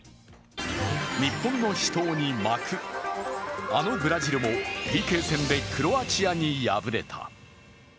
日本の死闘に幕、あのブラジルもＰＫ戦でクロアチアに敗れた。